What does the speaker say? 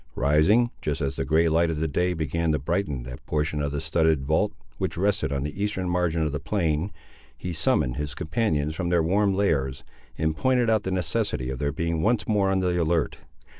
Rising, just as the grey light of day began to brighten that portion of the studded vault which rested on the eastern margin of the plain, he summoned his companions from their warm lairs, and pointed out the necessity of their being once more on the alert.